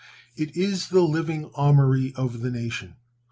It is the living armory of the nation.